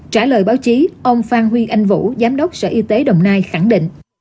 trả lời báo chí ông phan huy anh vũ giám đốc sở y tế đồng nai khẳng định